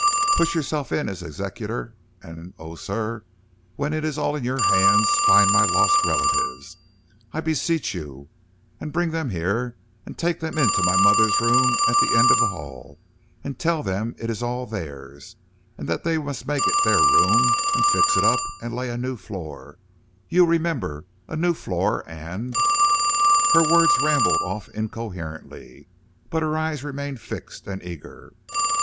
Put yourself in as executor, and oh, sir, when it is all in your hands, find my lost relatives, I beseech you, and bring them here, and take them into my mother's room at the end of the hall, and tell them it is all theirs, and that they must make it their room and fix it up and lay a new floor you remember, a new floor and ' Her words rambled off incoherently, but her eyes remained fixed and eager.